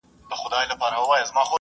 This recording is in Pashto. خو که غواړې: